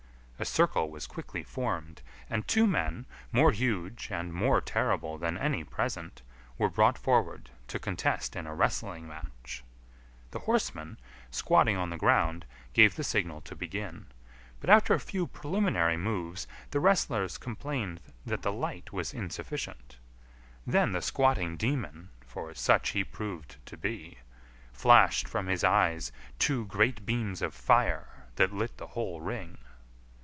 A circle was quickly formed, and two men, more huge and more terrible than any present, were brought forward to contest in a wrestling match. The horseman, squatting on the ground, gave the signal to begin, but after a few preliminary moves the wrestlers complained that the light was insufficient. Then the squatting demon for such he proved to be flashed from his eyes two great beams of fire that lit the whole ring.